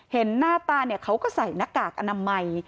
เห็นหน้าตาเขาก็ใส่หน้ากากอนามัย